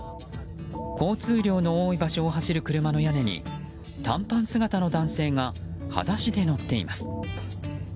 交通量の多い場所を走る車の屋根に短パン姿の男性が裸足で乗っています。